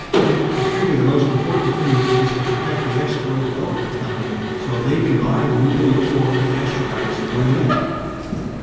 "I figure the most important thing is to protect the Asteroid Development Company so they can buy the nuclear ore the Astrodites bring in.